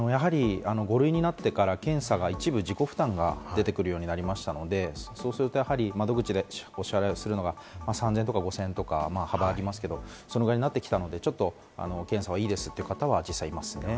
５類になってから一部、自己負担になってきていますから、窓口でお支払いするのが３０００円から５０００円と幅がありますけれども、それぐらいになってきたので、検査はいいですという方は実際にいますね。